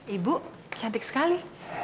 ibu cantik sekali